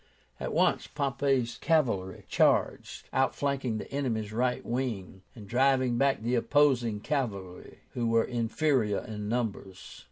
At once Pompey's cavalry charged, outflanking the enemy's right wing, and driving back the opposing cavalry, who were inferior in numbers.